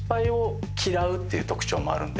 ていう特徴もあるんで。